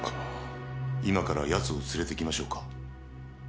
今から奴を連れてきましょうか？